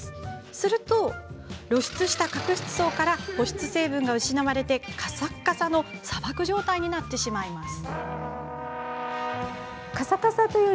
すると露出した角質層から保湿成分が失われカサカサの砂漠状態になってしまいます。